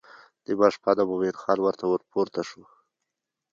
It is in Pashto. نیمه شپه ده مومن خان ورته ورپورته شو.